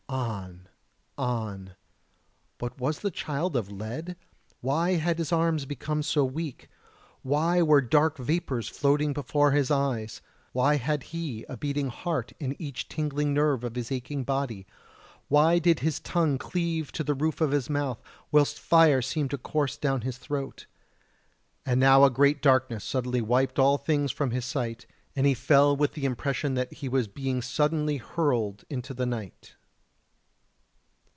On on ... but was the child of lead? Why had his arms become so weak? Why were dark vapours floating before his eyes?... Why had he a beating heart in each tingling nerve of his aching body? Why did his tongue cleave to the roof of his mouth, whilst fire seemed to course down his throat? And now a great darkness suddenly wiped all things from his sight, and he fell with the impression that he was being suddenly hurled into the night....